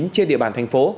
trên địa bàn thành phố